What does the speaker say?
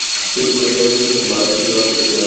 کیونکہ وسائل کی بھرمار ہی کسی اور طرف جا رہی تھی۔